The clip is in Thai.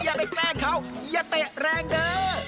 อย่าไปแกล้งเขาอย่าเตะแรงเด้อ